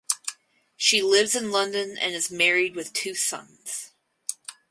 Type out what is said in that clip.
She lives in London and is married with two sons.